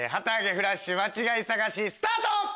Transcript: フラッシュ間違い探しスタート！